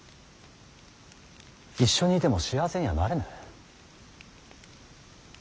一緒にいても幸せにはなれぬ。